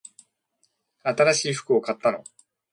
新しい服を買ったの？